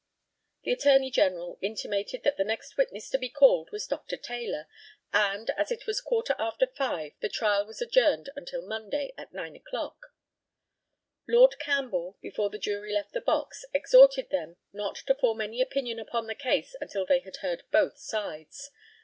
The ATTORNEY GENERAL intimated that the next witness to be called was Dr. Taylor, and, as it was a quarter after five, the trial was adjourned until Monday, at nine o'clock. Lord CAMPBELL, before the jury left the box, exhorted them not to form any opinion upon the case until they had heard both sides.